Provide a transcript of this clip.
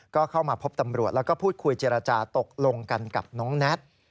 ก็เข้ามาพบตำรวจแล้วก็พูดคุยเจรจาตกลงกันกับน้องแน็ต